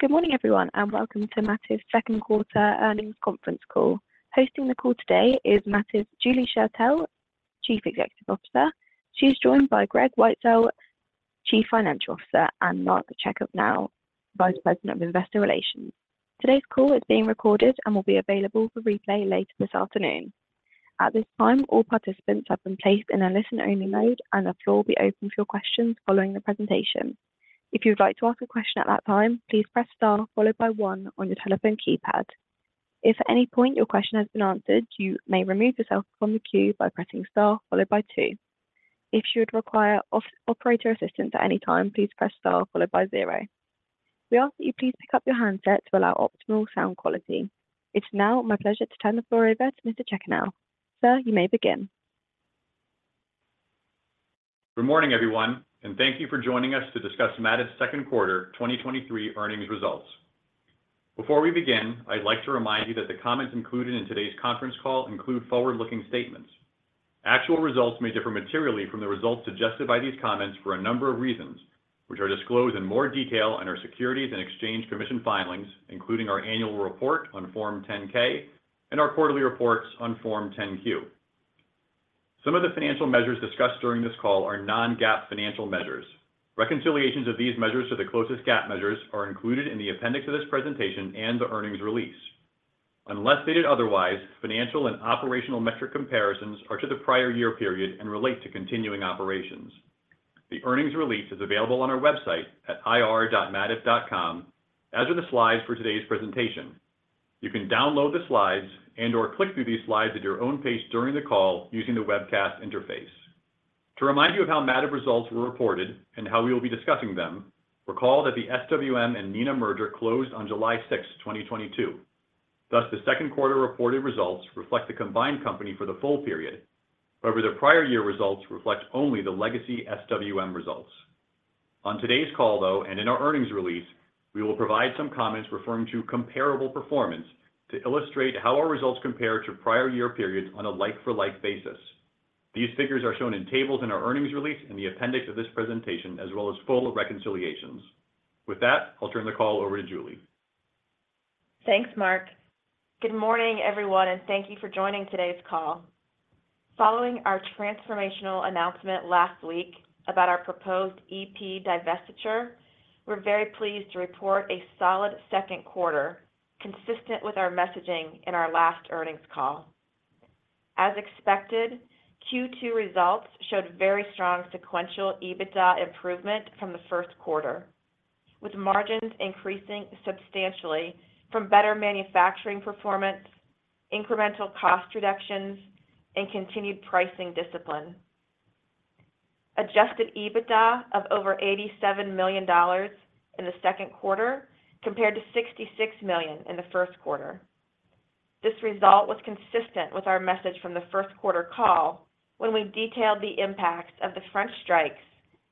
Good morning, everyone, and welcome to Mativ's 2nd quarter earnings conference call. Hosting the call today is Mativ's Julie Schertell, Chief Executive Officer. She's joined by Greg Weitzel, Chief Financial Officer, and Mark Cheeley, Vice President of Investor Relations. Today's call is being recorded and will be available for replay later this afternoon. At this time, all participants have been placed in a listen-only mode. The floor will be open for your questions following the presentation. If you would like to ask a question at that time, please press Star followed by one on your telephone keypad. If at any point your question has been answered, you may remove yourself from the queue by pressing Star followed by two. If you would require operator assistance at any time, please press Star followed by zero. We ask that you please pick up your handset to allow optimal sound quality. It's now my pleasure to turn the floor over to Mr. Cheeley now. Sir, you may begin. Good morning, everyone, thank you for joining us to discuss Mativ's second quarter 2023 earnings results. Before we begin, I'd like to remind you that the comments included in today's conference call include forward-looking statements. Actual results may differ materially from the results suggested by these comments for a number of reasons, which are disclosed in more detail in our Securities and Exchange Commission filings, including our annual report on Form 10-K and our quarterly reports on Form 10-Q. Some of the financial measures discussed during this call are Non-GAAP financial measures. Reconciliations of these measures to the closest GAAP measures are included in the appendix of this presentation and the earnings release. Unless stated otherwise, financial and operational metric comparisons are to the prior year period and relate to continuing operations. The earnings release is available on our website at ir.mativ.com, as are the slides for today's presentation. You can download the slides and/or click through these slides at your own pace during the call using the webcast interface. To remind you of how Mativ results were reported and how we will be discussing them, recall that the SWM and Neenah merger closed on July 6, 2022. Thus, the second quarter reported results reflect the combined company for the full period. However, the prior year results reflect only the legacy SWM results. On today's call, though, and in our earnings release, we will provide some comments referring to comparable performance to illustrate how our results compare to prior year periods on a like-for-like basis. These figures are shown in tables in our earnings release and the appendix of this presentation, as well as full reconciliations. With that, I'll turn the call over to Julie. Thanks, Mark. Good morning, everyone, and thank you for joining today's call. Following our transformational announcement last week about our proposed EP divestiture, we're very pleased to report a solid second quarter, consistent with our messaging in our last earnings call. As expected, Q2 results showed very strong sequential EBITDA improvement from the first quarter, with margins increasing substantially from better manufacturing performance, incremental cost reductions, and continued pricing discipline. Adjusted EBITDA of over $87 million in the second quarter compared to $66 million in the first quarter. This result was consistent with our message from the first quarter call, when we detailed the impacts of the French strikes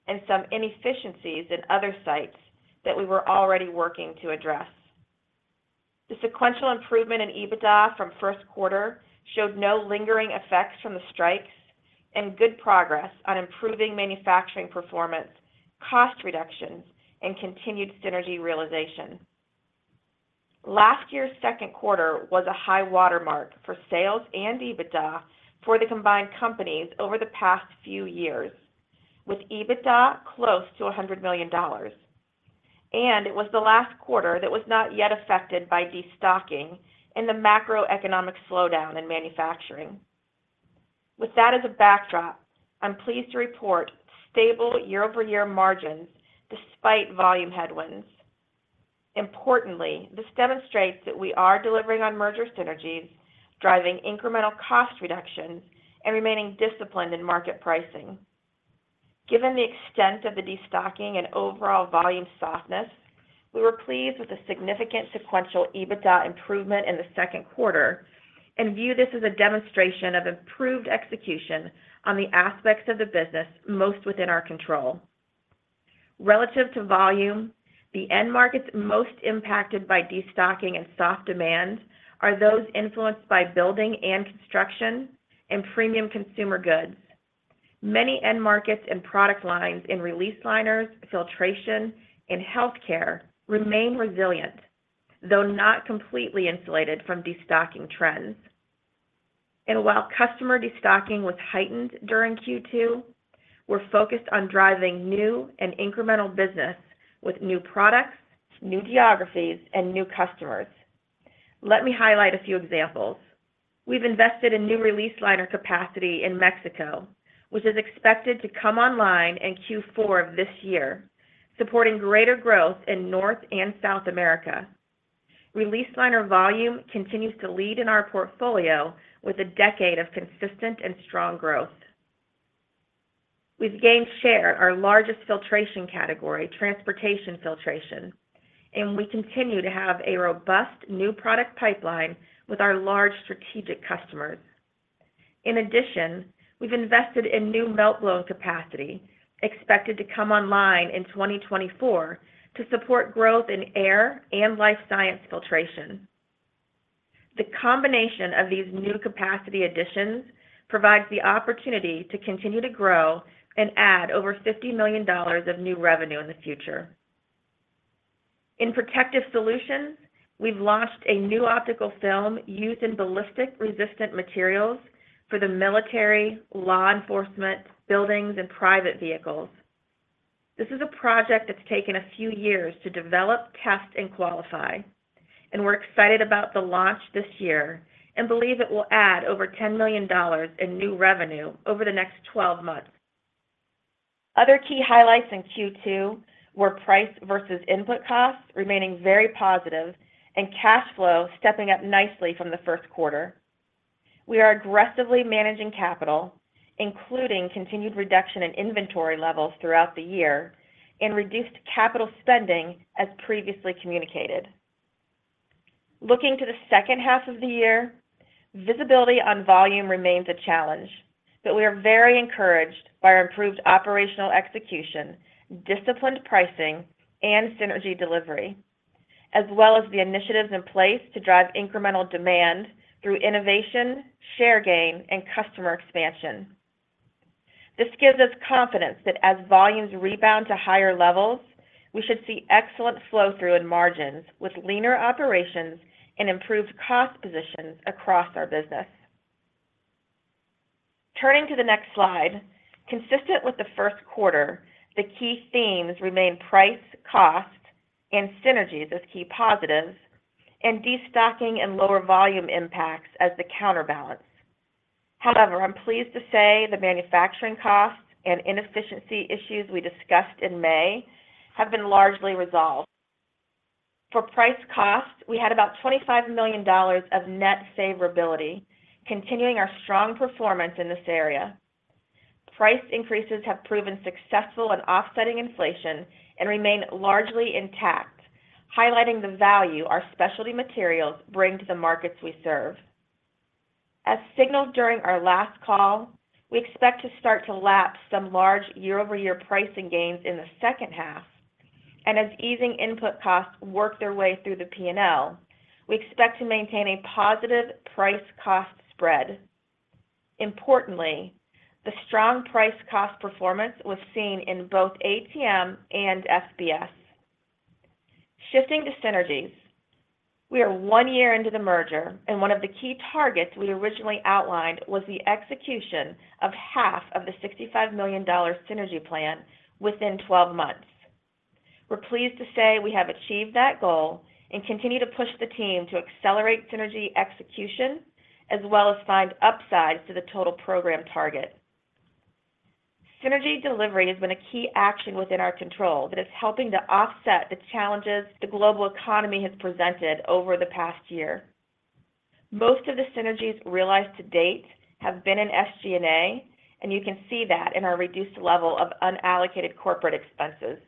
and some inefficiencies in other sites that we were already working to address. The sequential improvement in EBITDA from first quarter showed no lingering effects from the strikes and good progress on improving manufacturing performance, cost reductions, and continued synergy realization. Last year's second quarter was a high water mark for sales and EBITDA for the combined companies over the past few years, with EBITDA close to $100 million. It was the last quarter that was not yet affected by destocking and the macroeconomic slowdown in manufacturing. With that as a backdrop, I'm pleased to report stable year-over-year margins despite volume headwinds. Importantly, this demonstrates that we are delivering on merger synergies, driving incremental cost reductions, and remaining disciplined in market pricing. Given the extent of the destocking and overall volume softness, we were pleased with the significant sequential EBITDA improvement in the second quarter and view this as a demonstration of improved execution on the aspects of the business most within our control. Relative to volume, the end markets most impacted by destocking and soft demand are those influenced by building and construction and premium consumer goods. Many end markets and product lines in release liners, filtration, and healthcare remain resilient, though not completely insulated from destocking trends. While customer destocking was heightened during Q2, we're focused on driving new and incremental business with new products, new geographies, and new customers. Let me highlight a few examples. We've invested in new release liner capacity in Mexico, which is expected to come online in Q4 of this year, supporting greater growth in North America and South America. Release Liner volume continues to lead in our portfolio with a decade of consistent and strong growth. We've gained share, our largest Filtration category, Transportation Filtration, and we continue to have a robust new product pipeline with our large strategic customers. In addition, we've invested in new melt blowing capacity, expected to come online in 2024 to support growth in air and life science filtration. The combination of these new capacity additions provides the opportunity to continue to grow and add over $50 million of new revenue in the future. In Protective Solutions, we've launched a new optical film used in ballistic-resistant materials for the military, law enforcement, buildings, and private vehicles. This is a project that's taken a few years to develop, test, and qualify, and we're excited about the launch this year and believe it will add over $10 million in new revenue over the next 12 months. Other key highlights in Q2 were price versus input costs remaining very positive and cash flow stepping up nicely from the first quarter. We are aggressively managing capital, including continued reduction in inventory levels throughout the year and reduced capital spending as previously communicated. Looking to the second half of the year, visibility on volume remains a challenge, but we are very encouraged by our improved operational execution, disciplined pricing, and synergy delivery, as well as the initiatives in place to drive incremental demand through innovation, share gain, and customer expansion. This gives us confidence that as volumes rebound to higher levels, we should see excellent flow-through in margins with leaner operations and improved cost positions across our business. Turning to the next slide, consistent with the first quarter, the key themes remain price, cost, and synergies as key positives, and destocking and lower volume impacts as the counterbalance. However, I'm pleased to say the manufacturing costs and inefficiency issues we discussed in May have been largely resolved. For price costs, we had about $25 million of net savings, continuing our strong performance in this area. Price increases have proven successful in offsetting inflation and remain largely intact, highlighting the value our specialty materials bring to the markets we serve. As signaled during our last call, we expect to start to lap some large year-over-year pricing gains in the second half. As easing input costs work their way through the P&L, we expect to maintain a positive price-cost spread. Importantly, the strong price-cost performance was seen in both ATM and FBS. Shifting to synergies, we are one year into the merger, and one of the key targets we originally outlined was the execution of half of the $65 million synergy plan within 12 months. We're pleased to say we have achieved that goal and continue to push the team to accelerate synergy execution, as well as find upsides to the total program target. Synergy delivery has been a key action within our control that is helping to offset the challenges the global economy has presented over the past year. Most of the synergies realized to date have been in SG&A, and you can see that in our reduced level of unallocated corporate expenses.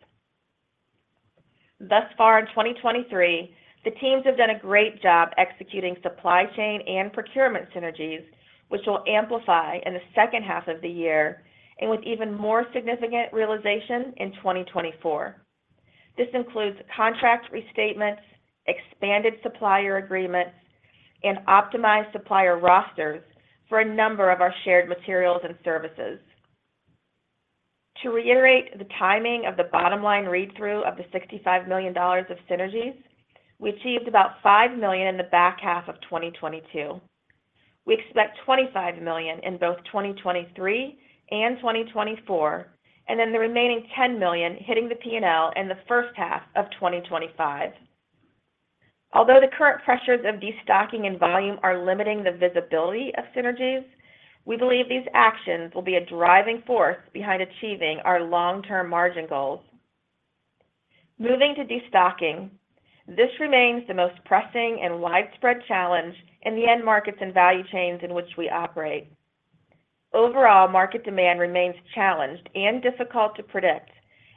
Thus far, in 2023, the teams have done a great job executing supply chain and procurement synergies, which will amplify in the second half of the year and with even more significant realization in 2024. This includes contract restatements, expanded supplier agreements, and optimized supplier rosters for a number of our shared materials and services. To reiterate the timing of the bottom-line read-through of the $65 million of synergies, we achieved about $5 million in the back half of 2022. We expect $25 million in both 2023 and 2024, and then the remaining $10 million hitting the P&L in the first half of 2025. Although the current pressures of destocking and volume are limiting the visibility of synergies, we believe these actions will be a driving force behind achieving our long-term margin goals. Moving to destocking, this remains the most pressing and widespread challenge in the end markets and value chains in which we operate. Overall, market demand remains challenged and difficult to predict,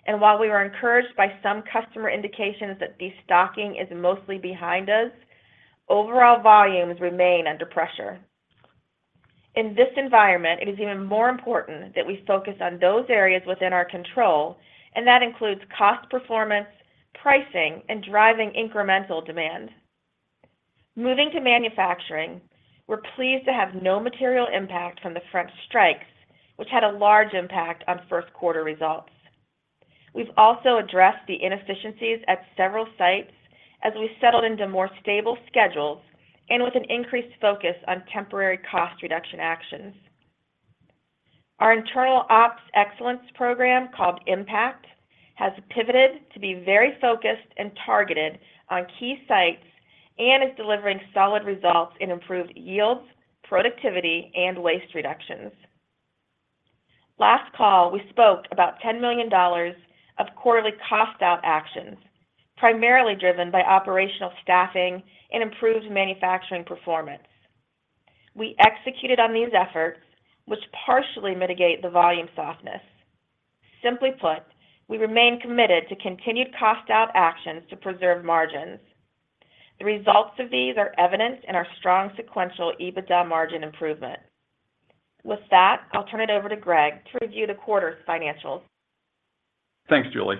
and while we are encouraged by some customer indications that destocking is mostly behind us, overall volumes remain under pressure. In this environment, it is even more important that we focus on those areas within our control, and that includes cost performance, pricing, and driving incremental demand. Moving to manufacturing, we're pleased to have no material impact from the French strikes, which had a large impact on first quarter results. We've also addressed the inefficiencies at several sites as we settled into more stable schedules and with an increased focus on temporary cost reduction actions. Our internal ops excellence program, called Impact, has pivoted to be very focused and targeted on key sites and is delivering solid results in improved yields, productivity, and waste reductions. Last call, we spoke about $10 million of quarterly cost out actions, primarily driven by operational staffing and improved manufacturing performance. We executed on these efforts, which partially mitigate the volume softness. Simply put, we remain committed to continued cost out actions to preserve margins. The results of these are evidenced in our strong sequential EBITDA margin improvement. With that, I'll turn it over to Greg to review the quarter's financials. Thanks, Julie.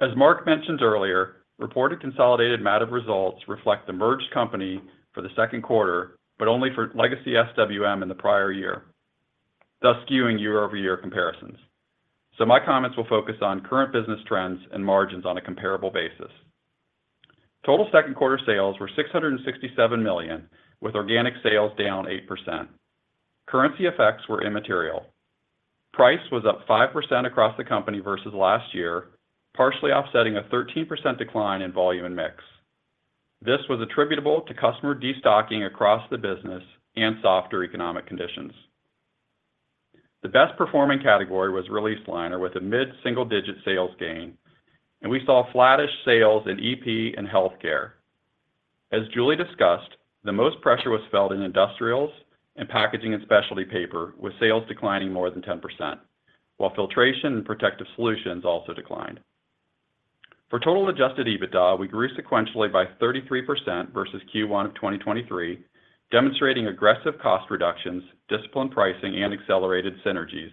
As Mark mentioned earlier, reported consolidated Mativ results reflect the merged company for the second quarter, but only for legacy SWM in the prior year, thus skewing year-over-year comparisons. My comments will focus on current business trends and margins on a comparable basis. Total second quarter sales were $667 million, with organic sales down 8%. Currency effects were immaterial. Price was up 5% across the company versus last year, partially offsetting a 13% decline in volume and mix. This was attributable to customer destocking across the business and softer economic conditions. The best performing category was Release Liner with a mid-single-digit sales gain, and we saw flattish sales in EP and healthcare. As Julie discussed, the most pressure was felt in industrials and packaging and specialty paper, with sales declining more than 10%, while Filtration and Protective Solutions also declined. For total adjusted EBITDA, we grew sequentially by 33% versus Q1 of 2023, demonstrating aggressive cost reductions, disciplined pricing, and accelerated synergies.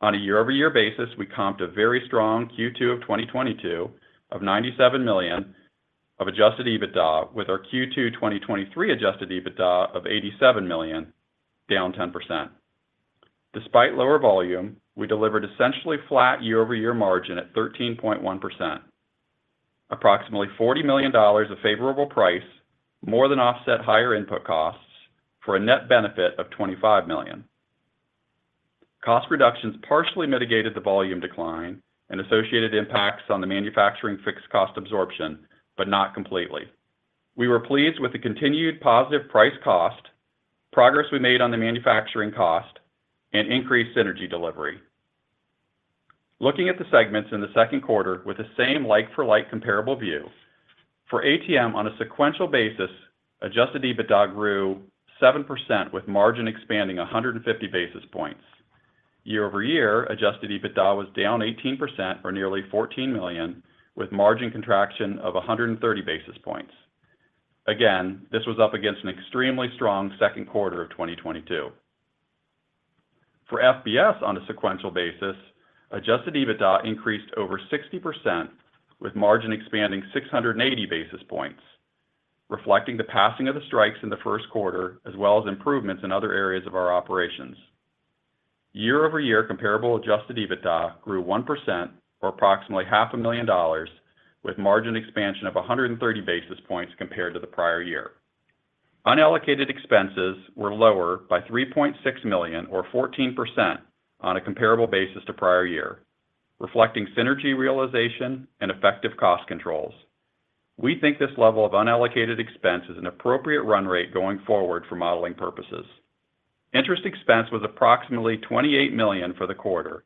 On a year-over-year basis, we comped a very strong Q2 of 2022 of $97 million of adjusted EBITDA, with our Q2 2023 adjusted EBITDA of $87 million, down 10%. Despite lower volume, we delivered essentially flat year-over-year margin at 13.1%. Approximately $40 million of favorable price, more than offset higher input costs for a net benefit of $25 million. Cost reductions partially mitigated the volume decline and associated impacts on the manufacturing fixed cost absorption, but not completely. We were pleased with the continued positive price cost, progress we made on the manufacturing cost, and increased synergy delivery. Looking at the segments in the second quarter with the same like-for-like comparable view, for ATM, on a sequential basis, adjusted EBITDA grew 7%, with margin expanding 150 basis points. Year-over-year, adjusted EBITDA was down 18% for nearly $14 million, with margin contraction of 130 basis points. Again, this was up against an extremely strong second quarter of 2022. For FBS, on a sequential basis, adjusted EBITDA increased over 60%, with margin expanding 680 basis points, reflecting the passing of the strikes in the first quarter, as well as improvements in other areas of our operations. Year-over-year comparable adjusted EBITDA grew 1% or approximately $500,000, with margin expansion of 130 basis points compared to the prior year. Unallocated expenses were lower by $3.6 million or 14% on a comparable basis to prior year, reflecting synergy realization and effective cost controls. We think this level of unallocated expense is an appropriate run rate going forward for modeling purposes. Interest expense was approximately $28 million for the quarter,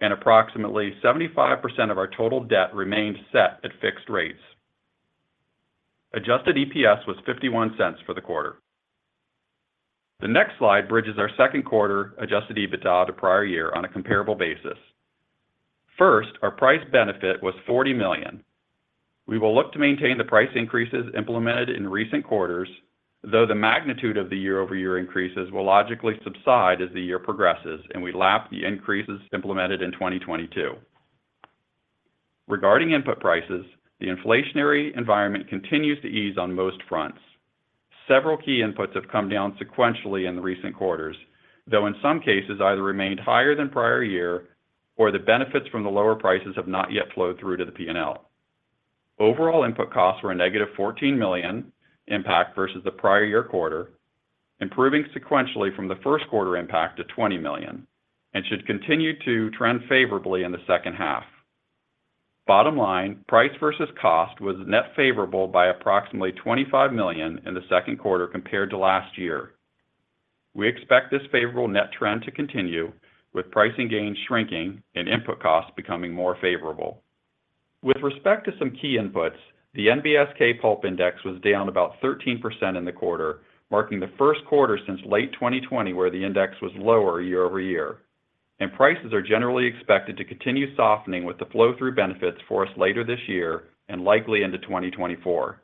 and approximately 75% of our total debt remained set at fixed rates. Adjusted EPS was $0.51 for the quarter. The next slide bridges our second quarter adjusted EBITDA to prior year on a comparable basis. First, our price benefit was $40 million. We will look to maintain the price increases implemented in recent quarters, though the magnitude of the year-over-year increases will logically subside as the year progresses, and we lap the increases implemented in 2022. Regarding input prices, the inflationary environment continues to ease on most fronts. Several key inputs have come down sequentially in the recent quarters, though in some cases, either remained higher than prior year or the benefits from the lower prices have not yet flowed through to the P&L. Overall input costs were a negative $14 million impact versus the prior year quarter, improving sequentially from the first quarter impact to $20 million and should continue to trend favorably in the second half. Bottom line, price versus cost was net favorable by approximately $25 million in the second quarter compared to last year. We expect this favorable net trend to continue, with pricing gains shrinking and input costs becoming more favorable. With respect to some key inputs, the NBSK pulp index was down about 13% in the quarter, marking the first quarter since late 2020, where the index was lower year-over-year. Prices are generally expected to continue softening with the flow-through benefits for us later this year and likely into 2024.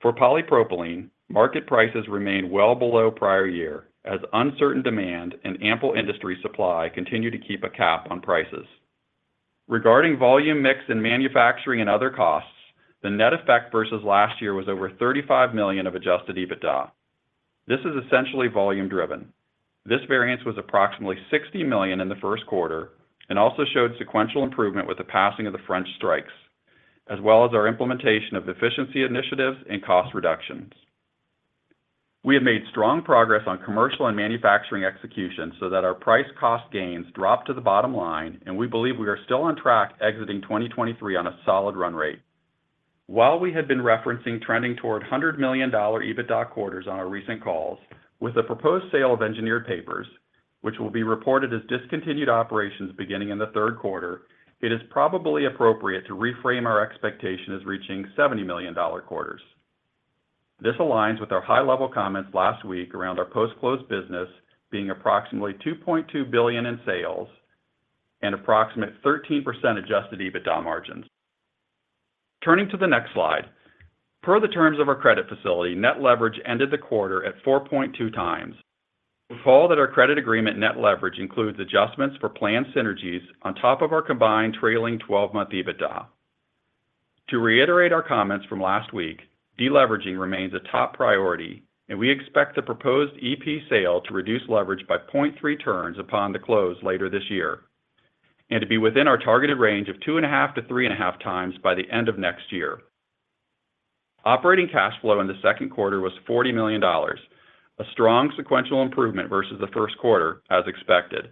For polypropylene, market prices remain well below prior year, as uncertain demand and ample industry supply continue to keep a cap on prices. Regarding volume, mix, and manufacturing and other costs, the net effect versus last year was over $35 million of adjusted EBITDA. This is essentially volume-driven. This variance was approximately $60 million in the first quarter. Also showed sequential improvement with the passing of the French strikes, as well as our implementation of efficiency initiatives and cost reductions. We have made strong progress on commercial and manufacturing execution so that our price cost gains drop to the bottom line. We believe we are still on track exiting 2023 on a solid run rate. While we had been referencing trending toward $100 million EBITDA quarters on our recent calls, with the proposed sale of Engineered Papers, which will be reported as discontinued operations beginning in the third quarter, it is probably appropriate to reframe our expectation as reaching $70 million quarters. This aligns with our high-level comments last week around our post-close business being approximately $2.2 billion in sales and approximate 13% adjusted EBITDA margins. Turning to the next slide. Per the terms of our credit facility, net leverage ended the quarter at 4.2x. Recall that our credit agreement net leverage includes adjustments for planned synergies on top of our combined trailing 12-month EBITDA. To reiterate our comments from last week, deleveraging remains a top priority, and we expect the proposed EP sale to reduce leverage by 0.3 turns upon the close later this year, and to be within our targeted range of 2.5x-3.5x by the end of next year. Operating cash flow in the second quarter was $40 million, a strong sequential improvement versus the first quarter, as expected.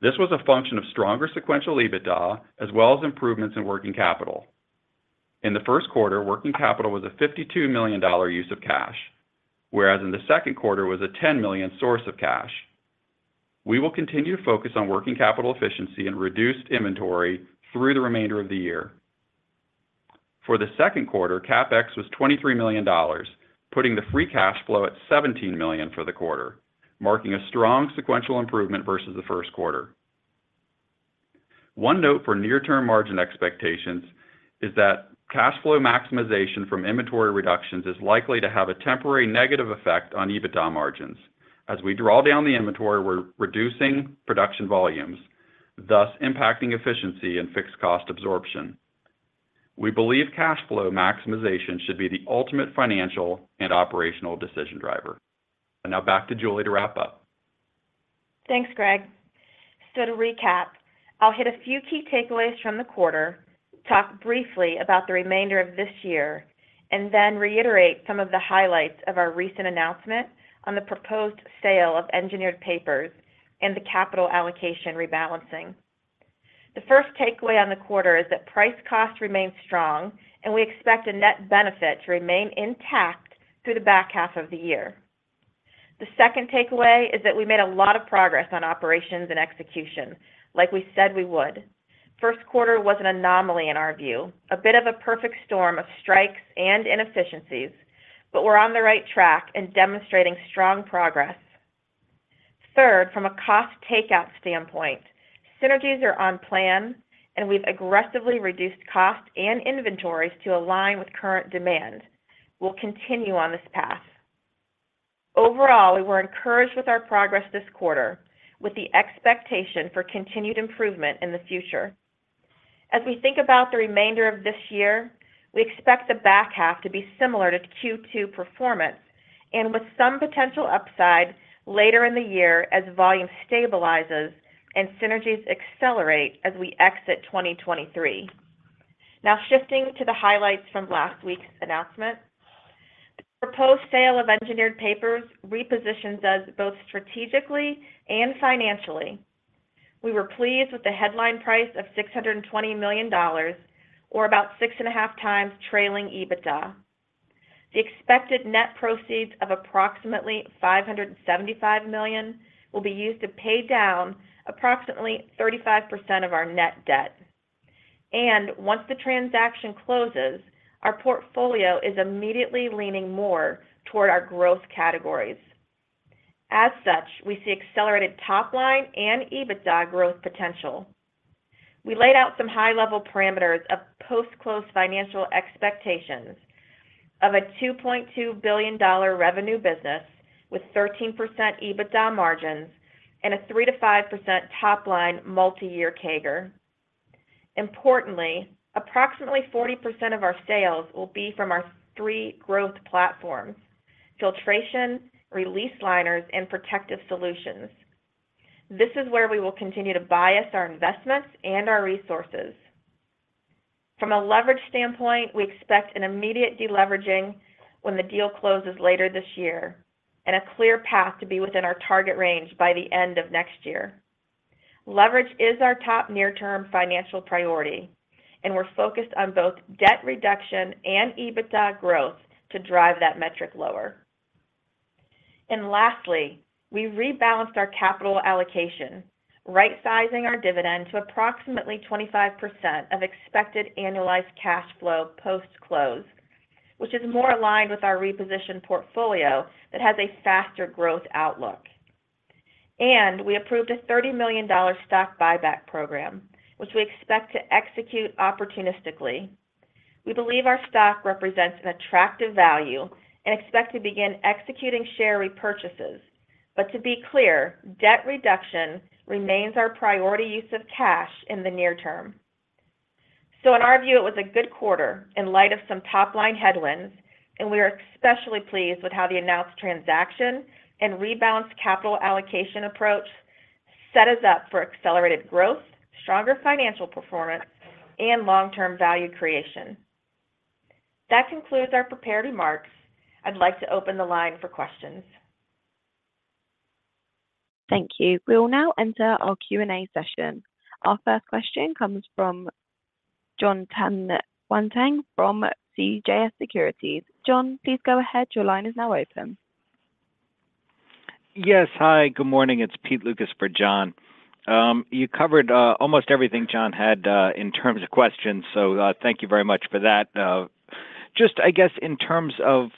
This was a function of stronger sequential EBITDA, as well as improvements in working capital. In the first quarter, working capital was a $52 million use of cash, whereas in the second quarter, it was a $10 million source of cash. We will continue to focus on working capital efficiency and reduced inventory through the remainder of the year. For the second quarter, CapEx was $23 million, putting the free cash flow at $17 million for the quarter, marking a strong sequential improvement versus the first quarter. One note for near-term margin expectations is that cash flow maximization from inventory reductions is likely to have a temporary negative effect on EBITDA margins. As we draw down the inventory, we're reducing production volumes, thus impacting efficiency and fixed cost absorption. We believe cash flow maximization should be the ultimate financial and operational decision driver. Now back to Julie to wrap up. Thanks, Greg. To recap, I'll hit a few key takeaways from the quarter, talk briefly about the remainder of this year, and then reiterate some of the highlights of our recent announcement on the proposed sale of Engineered Papers and the capital allocation rebalancing. The first takeaway on the quarter is that price cost remains strong, and we expect a net benefit to remain intact through the back half of the year. The second takeaway is that we made a lot of progress on operations and execution, like we said we would. First quarter was an anomaly in our view, a bit of a perfect storm of strikes and inefficiencies, we're on the right track and demonstrating strong progress. Third, from a cost takeout standpoint, synergies are on plan, and we've aggressively reduced costs and inventories to align with current demand. We'll continue on this path. Overall, we were encouraged with our progress this quarter, with the expectation for continued improvement in the future. As we think about the remainder of this year, we expect the back half to be similar to Q2 performance and with some potential upside later in the year as volume stabilizes and synergies accelerate as we exit 2023. Now, shifting to the highlights from last week's announcement. The proposed sale of Engineered Papers repositions us both strategically and financially. We were pleased with the headline price of $620 million, or about 6.5x trailing EBITDA. The expected net proceeds of approximately $575 million will be used to pay down approximately 35% of our net debt. Once the transaction closes, our portfolio is immediately leaning more toward our growth categories. As such, we see accelerated top line and EBITDA growth potential. We laid out some high-level parameters of post-close financial expectations of a $2.2 billion revenue business with 13% EBITDA margins and a 3%-5% top-line multi-year CAGR. Importantly, approximately 40% of our sales will be from our three growth platforms: Filtration, Release Liners, and Protective Solutions. This is where we will continue to bias our investments and our resources. From a leverage standpoint, we expect an immediate deleveraging when the deal closes later this year, and a clear path to be within our target range by the end of next year. Leverage is our top near-term financial priority, and we're focused on both debt reduction and EBITDA growth to drive that metric lower. Lastly, we rebalanced our capital allocation, right-sizing our dividend to approximately 25% of expected annualized cash flow post-close, which is more aligned with our repositioned portfolio that has a faster growth outlook. We approved a $30 million stock buyback program, which we expect to execute opportunistically. We believe our stock represents an attractive value and expect to begin executing share repurchases. To be clear, debt reduction remains our priority use of cash in the near term. In our view, it was a good quarter in light of some top-line headwinds, and we are especially pleased with how the announced transaction and rebalanced capital allocation approach set us up for accelerated growth, stronger financial performance, and long-term value creation. That concludes our prepared remarks. I'd like to open the line for questions. Thank you. We will now enter our Q&A session. Our first question comes from John Tanwantong from CJS Securities. John, please go ahead. Your line is now open. Yes. Hi, good morning. It's Pete Lucas for John. You covered almost everything John had in terms of questions, so thank you very much for that. Just I guess, in terms of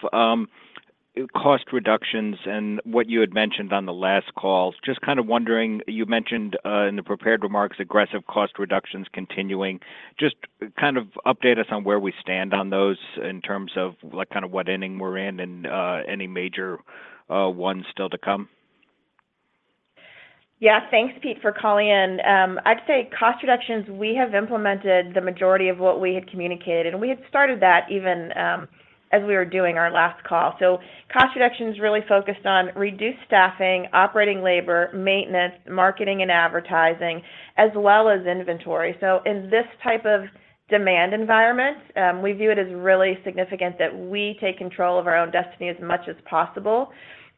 cost reductions and what you had mentioned on the last call, just kind of wondering, you mentioned in the prepared remarks, aggressive cost reductions continuing. Just kind of update us on where we stand on those in terms of like, what inning we're in and any major ones still to come. Yeah. Thanks, Pete, for calling in. I'd say cost reductions, we have implemented the majority of what we had communicated, and we had started that even, as we were doing our last call. Cost reductions really focused on reduced staffing, operating labor, maintenance, marketing and advertising, as well as inventory. In this type of demand environment, we view it as really significant that we take control of our own destiny as much as possible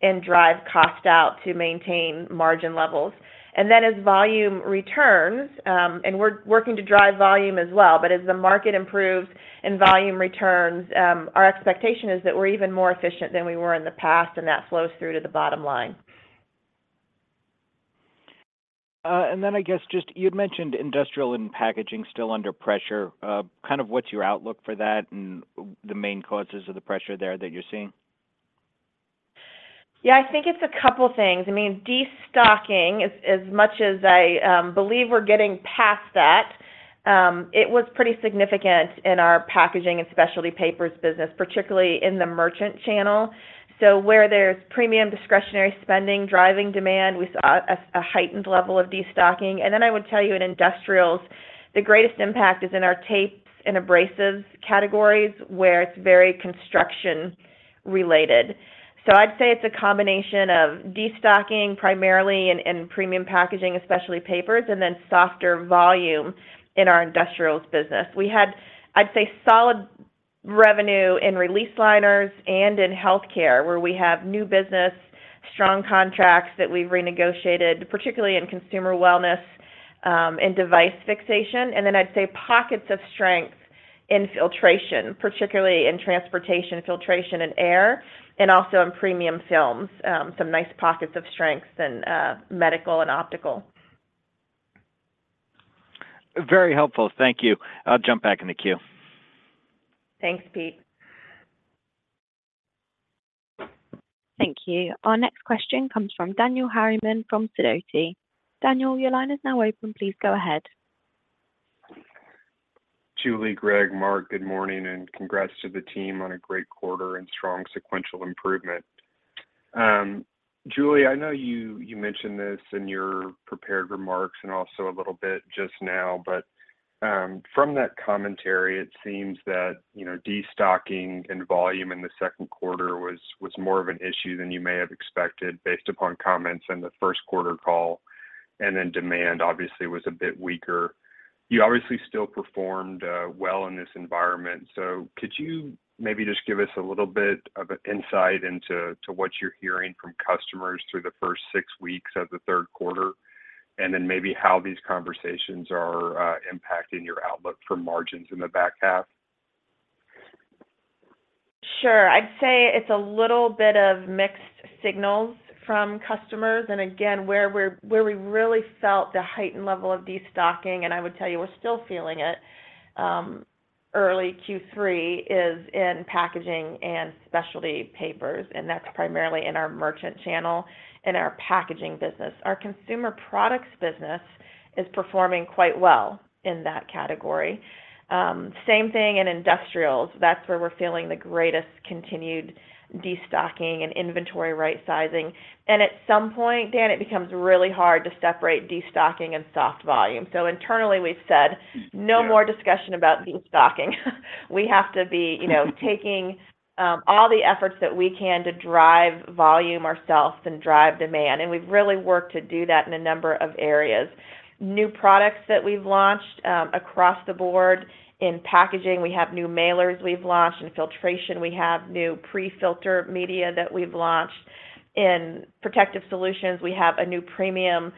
and drive cost out to maintain margin levels. Then as volume returns, and we're working to drive volume as well, but as the market improves and volume returns, our expectation is that we're even more efficient than we were in the past, and that flows through to the bottom line. Then I guess just you'd mentioned industrial and packaging still under pressure. Kind of what's your outlook for that and the main causes of the pressure there that you're seeing? Yeah, I think it's a couple of things. I mean, destocking, as, as much as I believe we're getting past that, it was pretty significant in our packaging and specialty papers business, particularly in the merchant channel. Where there's premium discretionary spending, driving demand, we saw a heightened level of destocking. I would tell you in industrials, the greatest impact is in our tapes and abrasives categories, where it's very construction-related. I'd say it's a combination of destocking, primarily in, in premium packaging, specialty papers, and then softer volume in our industrials business. We had, I'd say, solid revenue in Release Liners and in healthcare, where we have new business, strong contracts that we've renegotiated, particularly in consumer wellness, and device fixation. I'd say, pockets of strength in Filtration, particularly in Transportation Filtration, and Air, and also in premium films, some nice pockets of strength in medical and optical. Very helpful. Thank you. I'll jump back in the queue. Thanks, Pete. Thank you. Our next question comes from Daniel Harriman from Sidoti. Daniel, your line is now open. Please go ahead. Julie, Greg, Mark, good morning. Congrats to the team on a great quarter and strong sequential improvement. Julie, I know you, you mentioned this in your prepared remarks and also a little bit just now. From that commentary, it seems that, you know, destocking and volume in the second quarter was, was more of an issue than you may have expected, based upon comments in the first quarter call. Demand, obviously, was a bit weaker. You obviously still performed well in this environment. Could you maybe just give us a little bit of an insight into to what you're hearing from customers through the first 6 weeks of the third quarter? Maybe how these conversations are impacting your outlook for margins in the back half? Sure. I'd say it's a little bit of mixed signals from customers. Again, where we really felt the heightened level of destocking, and I would tell you, we're still feeling it, early Q3, is in packaging and specialty papers, and that's primarily in our merchant channel in our packaging business. Our consumer products business is performing quite well in that category. Same thing in industrials. That's where we're feeling the greatest continued destocking and inventory right sizing. At some point, Dan, it becomes really hard to separate destocking and soft volume. Internally, we've said. Yeah no more discussion about destocking. We have to be, you know, taking, all the efforts that we can to drive volume ourselves and drive demand, and we've really worked to do that in a number of areas. New products that we've launched, across the board in packaging, we have new mailers we've launched. In filtration, we have new pre-filter media that we've launched. In Protective Solutions, we have a new premium,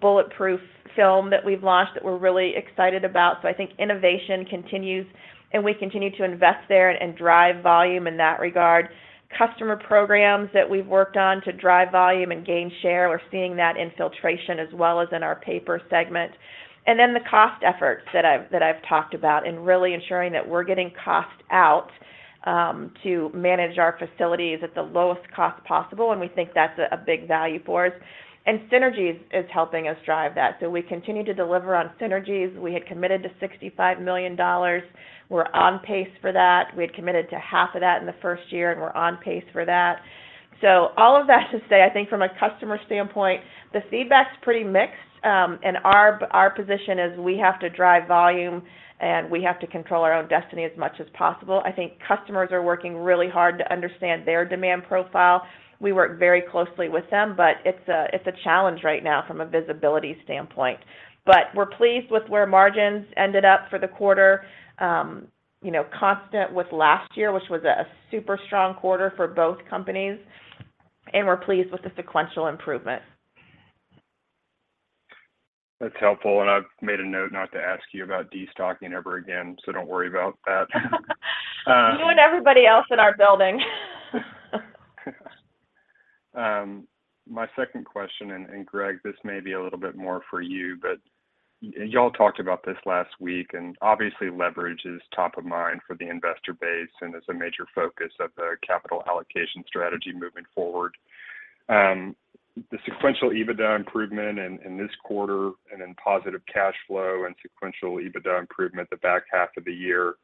bullet-resistant film that we've launched that we're really excited about. I think innovation continues, and we continue to invest there and drive volume in that regard. Customer programs that we've worked on to drive volume and gain share, we're seeing that in filtration as well as in our paper segment. The cost efforts that I've, that I've talked about, and really ensuring that we're getting cost out to manage our facilities at the lowest cost possible, and we think that's a big value for us. Synergies is helping us drive that. We continue to deliver on synergies. We had committed to $65 million. We're on pace for that. We had committed to half of that in the first year, and we're on pace for that. All of that to say, I think from a customer standpoint, the feedback is pretty mixed, and our position is we have to drive volume and we have to control our own destiny as much as possible. I think customers are working really hard to understand their demand profile. We work very closely with them, but it's a, it's a challenge right now from a visibility standpoint. We're pleased with where margins ended up for the quarter, you know, constant with last year, which was a, a super strong quarter for both companies, and we're pleased with the sequential improvement. That's helpful. I've made a note not to ask you about destocking ever again. Don't worry about that. You and everybody else in our building. My second question, and, and Greg, this may be a little bit more for you, but y'all talked about this last week, and obviously leverage is top of mind for the investor base and is a major focus of the capital allocation strategy moving forward. The sequential EBITDA improvement in, in this quarter and in positive cash flow and sequential EBITDA improvement the back half of the year,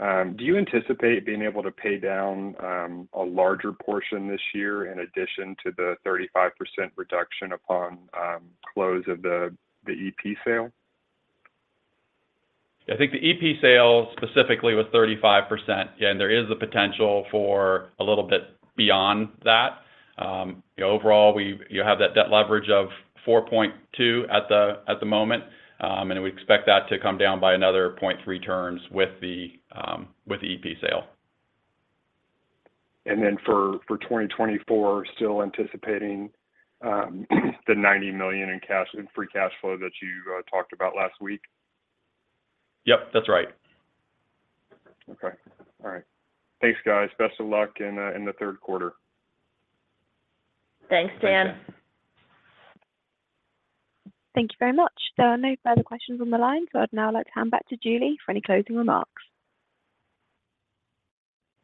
do you anticipate being able to pay down, a larger portion this year in addition to the 35% reduction upon, close of the, the EP sale? I think the EP sale specifically was 35%, yeah, and there is the potential for a little bit beyond that. Overall, you have that debt leverage of 4.2x at the, at the moment, and we expect that to come down by another 0.3 turns with the EP sale. Then for 2024, still anticipating the $90 million in free cash flow that you talked about last week? Yep, that's right. Okay. All right. Thanks, guys. Best of luck in the, in the third quarter. Thanks, Dan. Thank you very much. There are no further questions on the line. I'd now like to hand back to Julie for any closing remarks.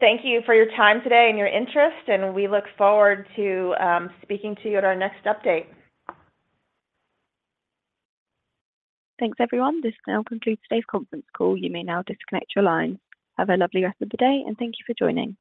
Thank you for your time today and your interest, and we look forward to speaking to you at our next update. Thanks, everyone. This now concludes today's conference call. You may now disconnect your line. Have a lovely rest of the day, and thank you for joining.